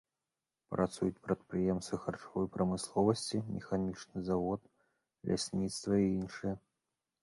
Працуюць прадпрыемствы харчовай прамысловасці, механічны завод, лясніцтва і іншыя.